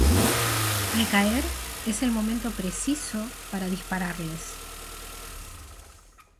Al caer, es el momento preciso para dispararles.